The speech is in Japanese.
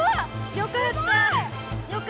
よかったな。